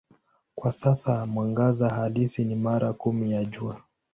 Kwa sasa mwangaza halisi ni mara kumi ya Jua.